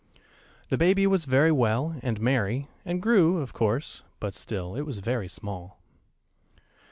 The baby was very well, and merry, and grew, of course; but still it was very small.